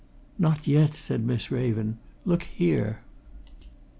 "Not yet!" said Miss Raven. "Look there!"